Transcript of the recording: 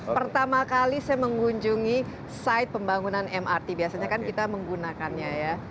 pertama kali saya mengunjungi site pembangunan mrt biasanya kan kita menggunakannya ya